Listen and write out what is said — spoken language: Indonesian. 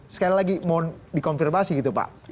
sekali lagi mohon dikonfirmasi gitu pak